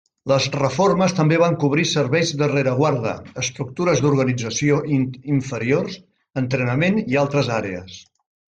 Les reformes també van cobrir serveis de rereguarda, estructures d'organització inferiors, entrenament i altres àrees.